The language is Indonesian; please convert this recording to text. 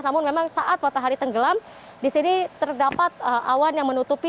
namun memang saat matahari tenggelam di sini terdapat awan yang menutupi